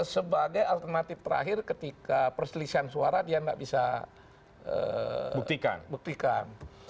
sebagai alternatif terakhir ketika perselisihan suara dia tidak bisa buktikan